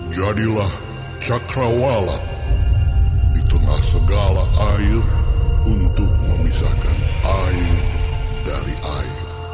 jadilah cakrawala di tengah segala air untuk memisahkan air dari air